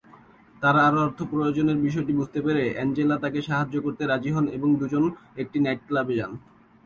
তাঁর আরও অর্থের প্রয়োজনের বিষয়টি বুঝতে পেরে অ্যাঞ্জেলা তাকে সাহায্য করতে রাজি হন এবং দুজন একটি নাইট ক্লাবে যান।